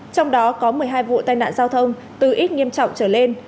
trong đó có một mươi hai vụ tai nạn giao thông từ ít nghiêm trọng trở lên